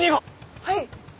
はい？